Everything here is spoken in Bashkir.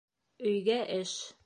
Өйгә эш